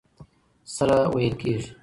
سره وېل کېږي.